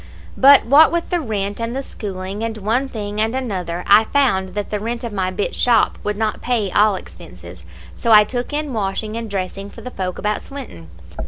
"But what with the rent and the schooling, and one thing and another, I found that the rent of my bit shop would not pay all expenses, so I took in washing and dressing for the folk about Swinton.